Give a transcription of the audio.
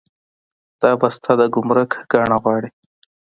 دا بسته د ګمرک ګڼه غواړي.